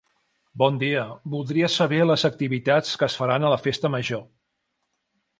Bon dia, voldria saber les activitats que es faran a la festa major.